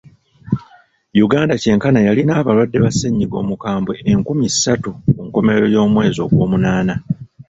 Uganda kyenkana yalina abalwadde ba ssennyiga omukambwe enkumi ssatu ku nkomerero y'omwezi gw'omunaana.